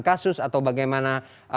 kasus atau bagaimana